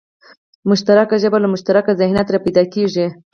مشترکه ژبه له مشترک ذهنیت راپیدا کېږي